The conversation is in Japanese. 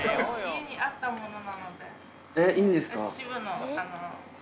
⁉えっいいんですか？